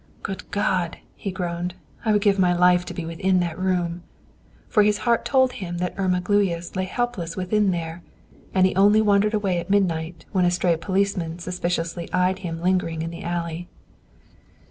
"Good God!" he groaned, "I would give my life to be within that room." For his heart told him that Irma Gluyas lay helpless within there, and he only wandered away at midnight, when a stray policeman suspiciously eyed him lingering in the alley.